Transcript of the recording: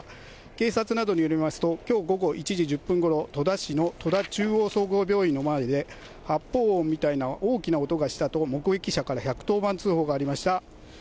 警察などによりますと、きょう午後１時１０分ごろ、戸田市の戸田中央総合病院の前で、発砲音みたいな大きな音がしたと目撃者から１１０番通報がありました。